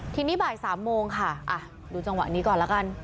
ทีนี้บ่าย๓โมงค่ะดูจังหวะนี้ก่อนแล้วกัน